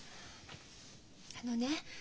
あのね